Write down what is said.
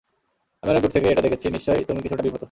আমি অনেক দূর থেকেই এটা দেখেছি, নিশ্চয়ই তুমি কিছুটা বিব্রত।